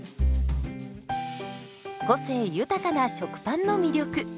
個性豊かな食パンの魅力。